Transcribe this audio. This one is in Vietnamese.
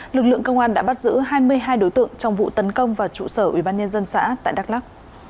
lực lượng công an đã bắt giữ hai mươi hai đối tượng trong vụ tấn công vào trụ sở ubnd xã tại đắk lắc